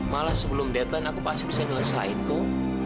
malah sebelum deadline aku pasti bisa nelesain kok